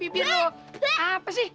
bibir lu apa sih